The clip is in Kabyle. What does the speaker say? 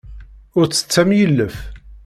Ur ttett am yilef.